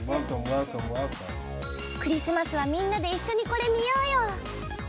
クリスマスはみんなで一緒に、これ見ようよ！